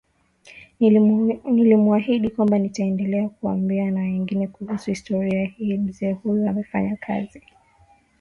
Nilimuahidi kwamba nitaendelea kuwaambia na wengine kuhusu historia hii Mzee huyu amefanya kazi chini